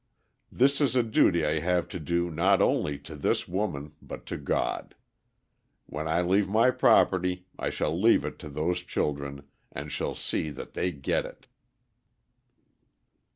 This is a duty I have to do not only to this woman but to God. When I leave my property I shall leave it to those children, and shall see that they get it."